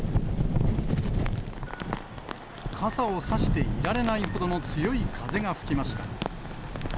傘を差していられないほどの強い風が吹きました。